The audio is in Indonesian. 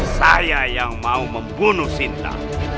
saya yang mau membunuh sinta